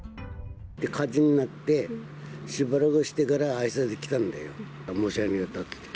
火事になって、しばらくしてから、あいさつに来たんだよ、申し訳なかったって。